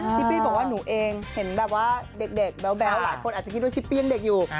ปี้บอกว่าหนูเองเห็นแบบว่าเด็กแบ๊วหลายคนอาจจะคิดว่าชิปปี้ยังเด็กอยู่